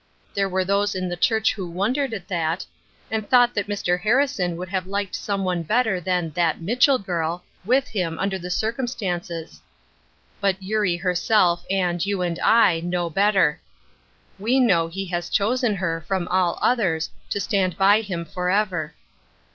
There were those in the church who wondered at that, and thought that Mr. Harrison would have liked some one better than " that Mitchell givl " with One Drop of Oil 107 him, under the circumstances. But Eurie her self, and you and I, know better. We know be has chosen her, from all others, to stand by him forever.